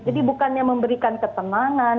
jadi bukannya memberikan ketenangan